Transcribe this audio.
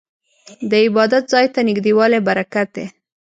د عبادت ځای ته نږدې والی برکت دی.